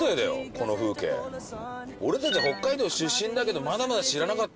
この風景俺たち北海道出身だけどまだまだ知らなかったよ